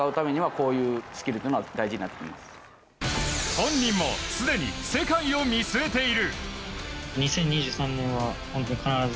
本人もすでに世界を見据えている。